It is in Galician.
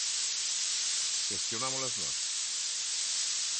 Xestionámolas nós?